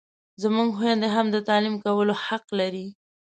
زموږ خویندې هم د تعلیم کولو حق لري!